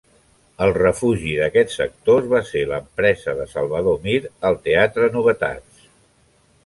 El refugi d'aquests actors va ser l'empresa de Salvador Mir al Teatre Novetats.